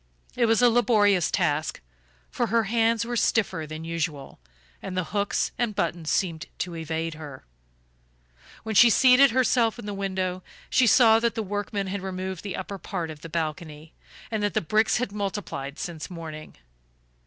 It was a laborious task, for her hands were stiffer than usual, and the hooks and buttons seemed to evade her. When she seated herself in the window, she saw that the workmen had removed the upper part of the balcony, and that the bricks had multiplied since morning.